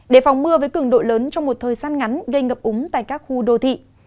đề phòng mưa với cường độ lớn trong một thời gian ngắn gây ngập úng tại các khu đô thị